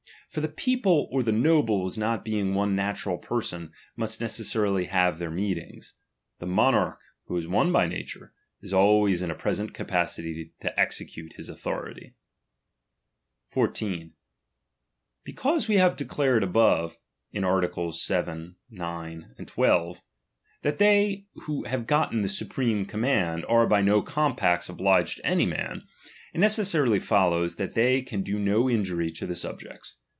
For the people or the nobles not being one natural person, must necessarily have their meetings. The monarch, who is one by nature, is always in a pre sent capacity to execute his authority. 14. Because we have declared above, (in art. 7, 9, 12), that they who have gotten the supreme command, are by no compacts obliged to any man, it necessarily follows, that they can do no injury to the subjects.